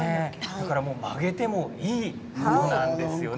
曲げてもいいものなんですよね。